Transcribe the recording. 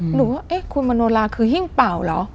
หนูว่าครูมโนลาคือหิ้งเป่าเหรอ